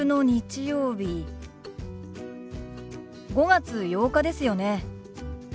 ５月８日ですよね。